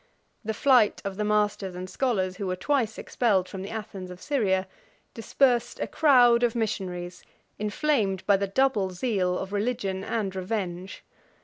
The flight of the masters and scholars, who were twice expelled from the Athens of Syria, dispersed a crowd of missionaries inflamed by the double zeal of religion and revenge.